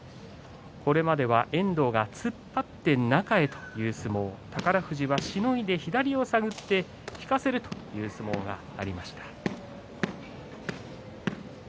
これまでは遠藤が突っ張って中にそういう相撲を宝富士はしのいで左を探って引かせるという相撲がありました。